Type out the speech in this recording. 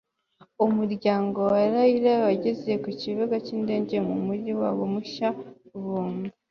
Umuryango wa Rai wageze ku kibuga cy indege mu mujyi wabo mushya bumva